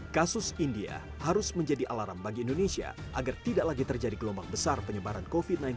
kasus india harus menjadi alarm bagi indonesia agar tidak lagi terjadi gelombang besar penyebaran covid sembilan belas